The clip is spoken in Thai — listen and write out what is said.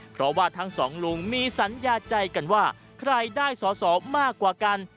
เพราะว่าทั้งสองลุงมีสัญญาใจกันว่าใครได้สอสอมากกว่ากัน